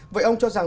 vậy ông cho rằng